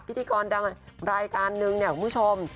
พิธีกรดังรายการนึงเนี่ยคุณผู้ชม